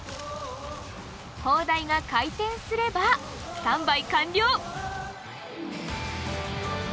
砲台が回転すればスタンバイ完了！